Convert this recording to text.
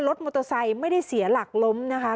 รถมอเตอร์ไซค์ไม่ได้เสียหลักล้มนะคะ